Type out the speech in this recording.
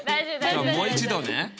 じゃもう一度ね。